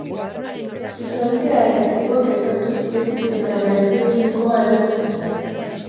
Sustantzia erreaktiboak elkartu ziren eta erreakzio kimikoa eragin zuten.